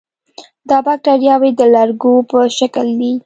دا باکتریاوې د لرګو په شکل دي.